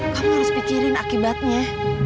kamu harus pikirin akibatnya